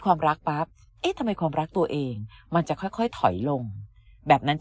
ความรักปั๊บเอ๊ะทำไมความรักตัวเองมันจะค่อยถอยลงแบบนั้นจะ